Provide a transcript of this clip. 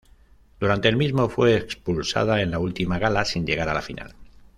Durante el mismo fue expulsada en la última gala, sin llegar a la final.